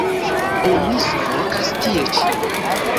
Oni sufokas tie ĉi.